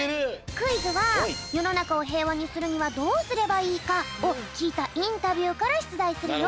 クイズは「よのなかをへいわにするにはどうすればいいか？」をきいたインタビューからしゅつだいするよ！